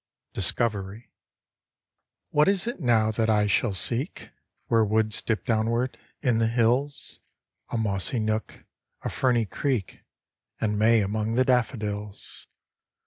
DISCOVERY What is it now that I shall seek, Where woods dip downward, in the hills? A mossy nook, a ferny creek, And May among the daffodils.